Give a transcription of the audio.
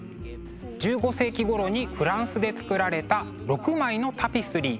１５世紀ごろにフランスで作られた６枚のタピスリー。